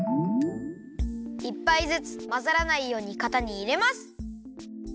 １ぱいずつまざらないようにかたにいれます。